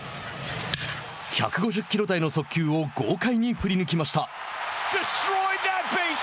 １５０キロ台の速球を豪快に振り抜きました。